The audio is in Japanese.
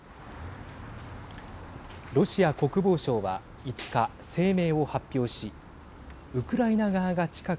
ロシア国防省は５日、声明を発表しウクライナ側が近く